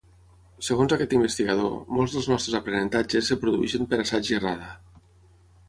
Segons aquest investigador, molts dels nostres aprenentatges es produeixen per assaig i errada